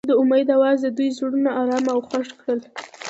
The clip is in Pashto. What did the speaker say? د امید اواز د دوی زړونه ارامه او خوښ کړل.